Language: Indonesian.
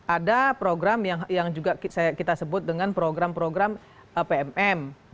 ada program yang kita sebut dengan program program penelitian penyelenggaraan